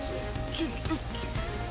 ちょっと。